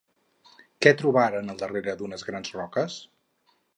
Què trobaren al darrere d'unes grans roques?